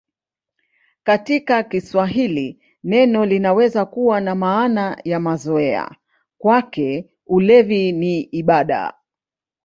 Katika Kiswahili neno linaweza kuwa na maana ya mazoea: "Kwake ulevi ni ibada".